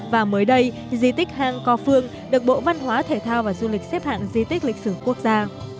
và mới đây di tích hang co phương được bộ văn hóa thể thao và du lịch xếp hạng di tích lịch sử quốc gia